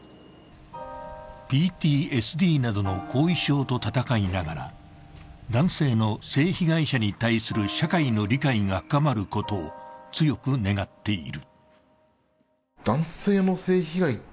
ＰＴＳＤなどの後遺症と闘いながら男性の性被害者に対する社会の理解が深まることを強く願っている。